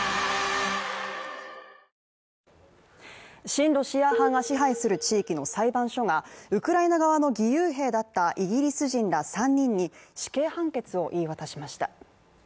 親ロシア派が支配する地域の裁判所がウクライナ側の義勇兵だったイギリス人ら３人に、死刑判決を言い渡しました。